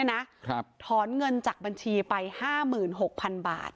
ครับถอนเงินจากบัญชีไป๕หมื่น๖พันบาท